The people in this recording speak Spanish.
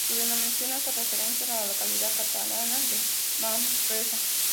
Su denominación hace referencia a la localidad catalana de Manresa.